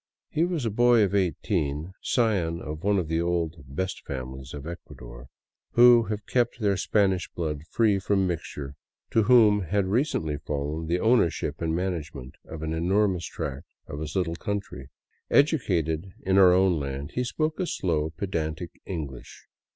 He was a boy of eighteen, scion of one of the old " best families " of Ecuador, who have kept their Spanish blood free from mixture, to whom had recently fallen the ownership and management of an enormous tract of his little country. Educated in our own land, he spoke a slow, pedantic Eng lish.